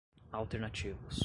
alternativos